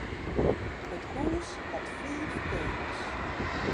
It hús hat fiif keamers.